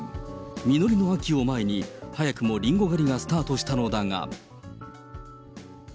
実りの秋を前に、早くもリンゴ狩りがスタートしたのだが。